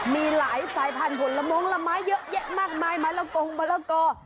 มีหลายสายพันธุ์ผลมงละไม้เยอะแยะมากมายมะละกงมะละกอ